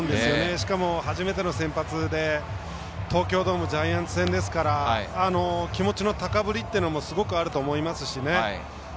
しかも初めての先発で東京ドームジャイアンツ戦ですから気持ちの高ぶりというのもすごくあると思いますしね。